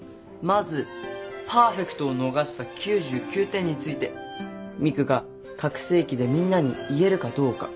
まずパーフェクトを逃した９９点についてミクが拡声機でみんなに言えるかどうか。